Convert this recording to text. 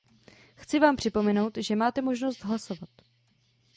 Chci vám připomenout, že máte možnost hlasovat.